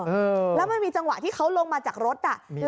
เออแล้วมันมีจังหวะที่เขาลงมาจากรถอ่ะ